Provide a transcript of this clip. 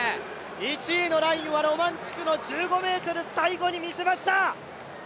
１位のラインはロマンチュクの１５ｍ、最後に見せました。